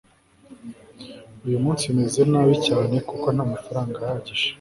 uyu munsi meze nabi cyane kuko ntamafaranga ahagije